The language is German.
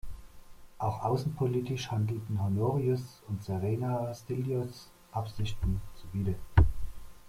Auch außenpolitisch handelten Honorius und Serena Stilichos Absichten zuwider.